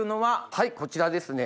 はいこちらですね